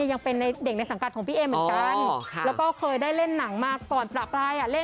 ยังเป็นในเด็กในสังกัดของพี่เอเหมือนกันแล้วก็เคยได้เล่นหนังมาก่อนประปราย